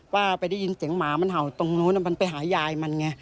ว่าไปได้ยินเสียงหมามันเห่าตรงนู้นมันไปหายายมันไง